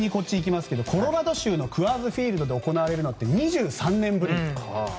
コロラド州のクアーズ・フィールドで行われるなんて２３年ぶり。